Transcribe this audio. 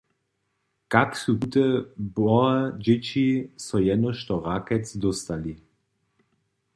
Kak su tute wbohe dźěći so jenož do Rakec dóstali?